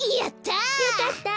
やった！